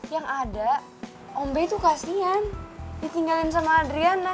yang ada om bey tuh kasian ditinggalin sama adriana